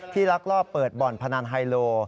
ลักลอบเปิดบ่อนพนันไฮโล